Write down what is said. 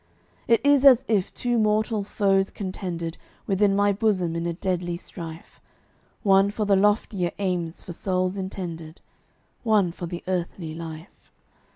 It is as if two mortal foes contended Within my bosom in a deadly strife, One for the loftier aims for souls intended, One for the earthly life.